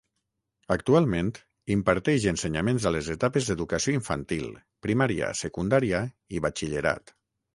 Actualment imparteix ensenyaments a les etapes d'educació infantil, primària, secundària i batxillerat.